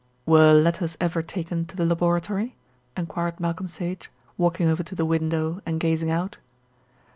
"Were letters ever taken to the laboratory?" enquired Malcolm Sage, walking over to the window and gazing out.